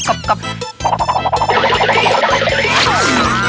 กับกับกับ